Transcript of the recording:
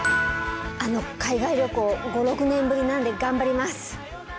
あの海外旅行５６年ぶりなんで頑張ります。